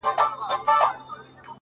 د اختر سهار ته مي!